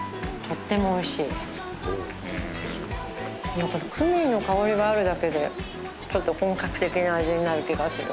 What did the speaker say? やっぱりクミンの香りがあるだけでちょっと本格的な味になる気がする